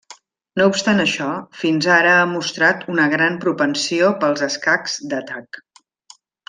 No obstant això, fins ara ha mostrat una gran propensió pels escacs d'atac.